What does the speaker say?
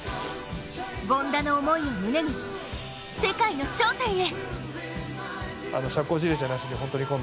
権田の思いを胸に世界の頂点へ！